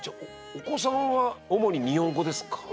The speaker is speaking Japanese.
お子さんは主に日本語ですか？